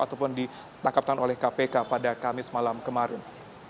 ataupun ditangkap tangan oleh kpk pada kamis malam kemarin